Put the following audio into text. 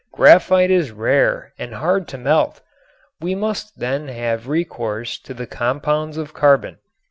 Graphite is rare and hard to melt. We must then have recourse to the compounds of carbon.